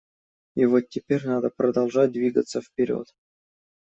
И вот теперь надо продолжать двигаться вперед.